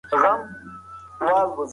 د مور روغتيا د کور چاپېريال ښه کوي.